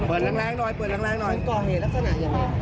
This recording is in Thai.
คุณกอเห็นลักษณะอย่างไร